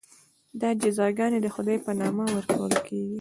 دا جزاګانې د خدای په نامه ورکول کېږي.